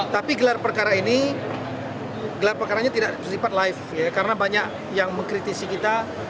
tapi gelar perkara ini tidak disipat live karena banyak yang mengkritisi kita